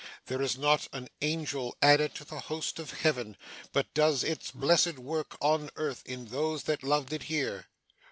There is not an angel added to the Host of Heaven but does its blessed work on earth in those that loved it here.